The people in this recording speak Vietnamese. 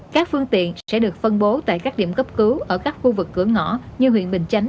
các phương tiện sẽ được phân bố tại các điểm cấp cứu ở các khu vực cửa ngõ như huyện bình chánh